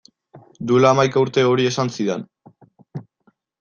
Duela hamaika urte hori esan zidan.